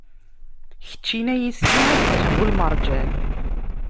Keččini ay isli, a ddeḥ bu lmerǧan.